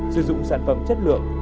sử dụng sản phẩm chất lượng